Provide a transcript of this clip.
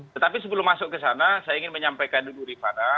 tetapi sebelum masuk ke sana saya ingin menyampaikan dulu rifana